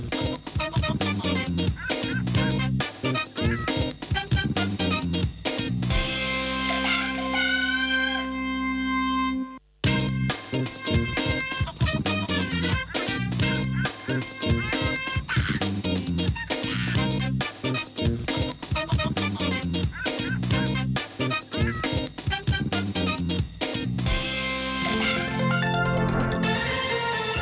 โปรดติดตามตอนต่อไป